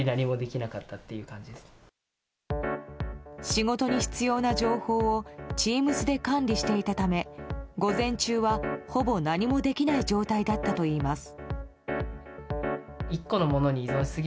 仕事に必要な情報をＴｅａｍｓで管理していたため午前中はほぼ何もできない状態だったといいます。